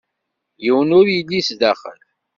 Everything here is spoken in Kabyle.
Yiwen ur yelli zdaxel.